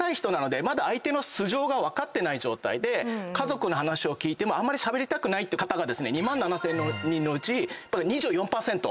まだ相手の素性が分かってない状態で家族の話を聞いてもあんまりしゃべりたくない方が２万７，０００人のうち２４％いて。